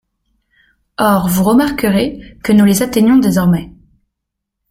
Or vous remarquerez que nous les atteignons désormais.